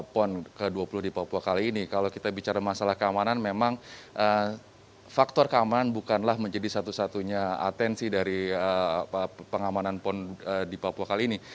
pon ke dua puluh di papua kali ini kalau kita bicara masalah keamanan memang faktor keamanan bukanlah menjadi satu satunya atensi dari pengamanan pon di papua kali ini